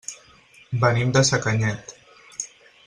Venim de Sacanyet.